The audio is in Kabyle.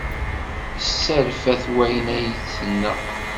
Yesserfa-t wayen ay d-tenna.